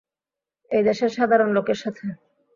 এই দেশের সাধারণ লোকের সাথে।